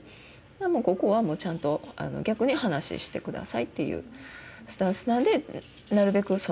もうここはちゃんと逆に話ししてくださいっていうスタンスなんでなるべく